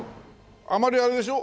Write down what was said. あまりあれでしょ。